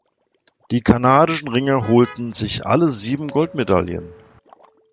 Die kanadischen Ringer holten sich alle sieben Goldmedaillen.